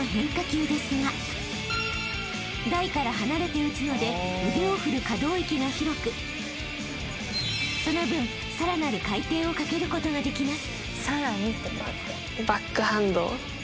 ［台から離れて打つので腕を振る可動域が広くその分さらなる回転をかけることができます］